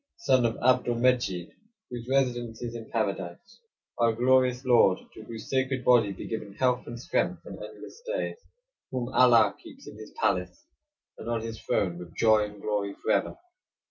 Son of Abdul Medjid, whose residence is in Paradise; our glorious Lord, to whose sacred body be given health, and strength, and endless days; whom Allah keeps in his palace, and on his throne with joy and glory, forever.